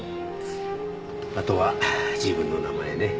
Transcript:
あとは自分の名前ね。